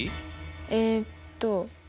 えっと！